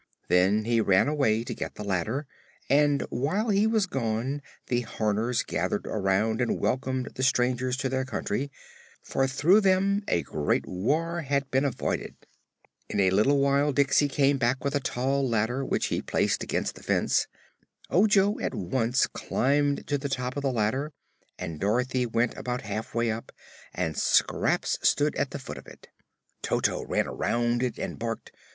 Then he ran away to get the ladder, and while he was gone the Horners gathered around and welcomed the strangers to their country, for through them a great war had been avoided. In a little while Diksey came back with a tall ladder which he placed against the fence. Ojo at once climbed to the top of the ladder and Dorothy went about halfway up and Scraps stood at the foot of it. Toto ran around it and barked.